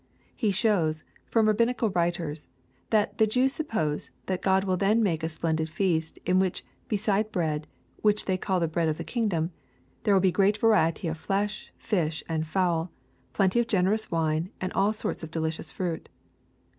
He shows, from Rab binical wTiters, that '* the Jews suppose, tliat Grod will then make a splendid feast, in which, beside bread, which they call the bread of the kingdom, there will be great variety of flesh, fish, and fowl, Elenty of generous wine, and all sorts of delicious fruit.